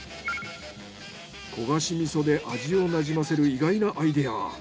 焦がし味噌で味をなじませる意外なアイデア。